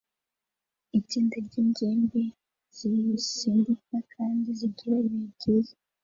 Itsinda ryingimbi zisimbuka kandi zigira ibihe byiza